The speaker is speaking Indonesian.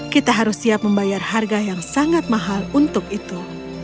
kita harus siap membayar harga yang sangat mahal untuk itu